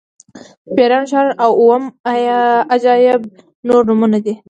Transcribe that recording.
د پیریانو ښار او اووم عجایب یې نور نومونه دي.